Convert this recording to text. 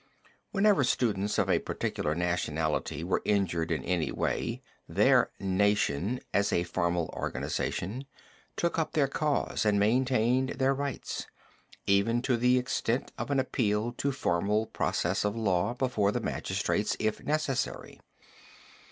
Whenever students of a particular nationality were injured in any way, their "nation" as a formal organization took up their cause and maintained their rights, even to the extent of an appeal to formal process of law before the magistrates, if necessary.